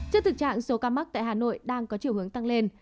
trước thực trạng số ca mắc tại hà nội đang có chiều hướng tăng lên